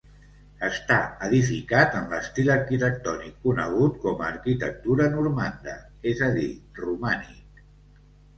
Està edificat en l'estil arquitectònic conegut com a arquitectura normanda, és a dir, romànic.